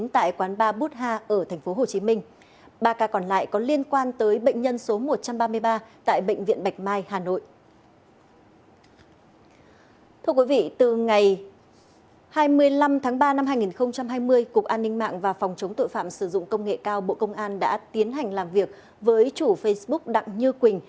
hai mươi năm tháng ba năm hai nghìn hai mươi cục an ninh mạng và phòng chống tội phạm sử dụng công nghệ cao bộ công an đã tiến hành làm việc với chủ facebook đặng như quỳnh